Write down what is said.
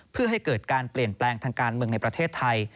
เพื่อให้เกิดการเปลี่ยนแปลงทางการเมืองในประเทศไทย